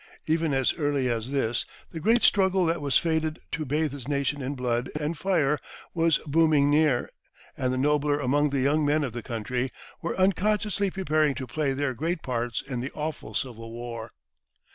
Even as early as this, the great struggle that was fated to bathe his nation in blood and fire was looming near, and the nobler among the young men of the country were unconsciously preparing to play their great parts in the awful civil war.